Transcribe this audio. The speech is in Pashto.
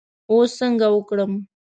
اوس څنګه وکړم.